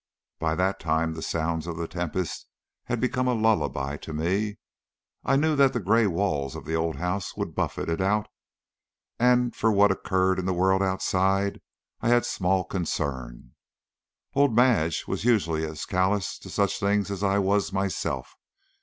By that time the sounds of the tempest had become a lullaby to me. I knew that the grey walls of the old house would buffet it out, and for what occurred in the world outside I had small concern. Old Madge was usually as callous to such things as I was myself.